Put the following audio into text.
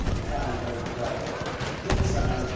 _ Entirely broken away. Fifth side.